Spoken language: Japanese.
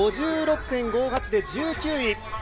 ５６．５８で１９位。